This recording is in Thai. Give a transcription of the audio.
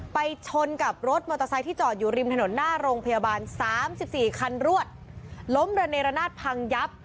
ไปชนกับรถมอเตอร์ไซค์ที่จอดอยู่ริมถนนหน้าโรงพยาบาลสามสิบสี่คันรวดล้มระเนรนาศพังยับ